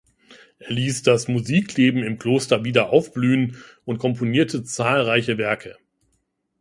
Er ließ das Musikleben im Kloster wieder aufblühen und komponierte zahlreiche Werke.